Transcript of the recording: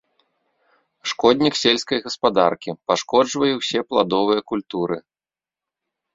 Шкоднік сельскай гаспадаркі, пашкоджвае ўсе пладовыя культуры.